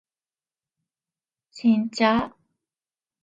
ちんちゃ？